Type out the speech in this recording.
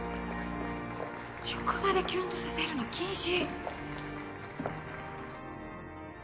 職場でキュンとさせるの禁止！